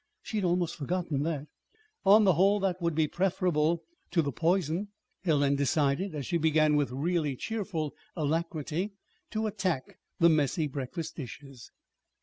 She had almost forgotten that. On the whole, that would be preferable to the poison, Helen decided, as she began, with really cheerful alacrity, to attack the messy breakfast dishes.